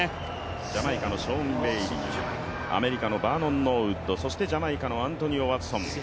ジャマイカのショーン・ベイリー、アメリカのバーノン・ノーウッド、そしてジャマイカのアントニオ・ワトソン。